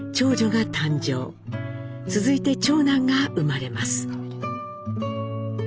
続いて長男が生まれます。